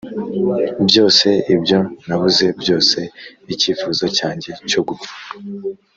byose, ibyo nabuze byose, icyifuzo cyanjye cyo gupfa,